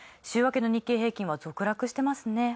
週明けの日経平均株価は続落していますね。